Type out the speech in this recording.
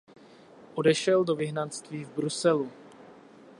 Odešel do vyhnanství v Bruselu.